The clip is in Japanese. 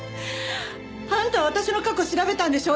あんた私の過去調べたんでしょ？